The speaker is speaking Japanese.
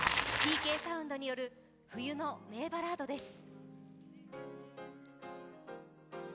ＴＫサウンドによる冬の名バラードです。